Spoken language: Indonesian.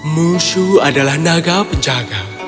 mushu adalah naga penjaga